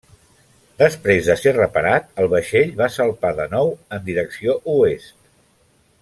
Després de ser reparat el vaixell va salpar de nou en direcció oest.